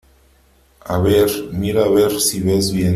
a ver , mira a ver si ves bien .